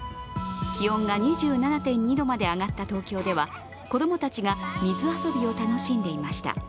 気温が２７．２度まで上がった東京では子供たちが水遊びを楽しんでいました。